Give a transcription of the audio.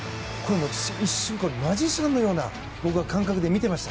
一瞬マジシャンのような感覚で見ていました。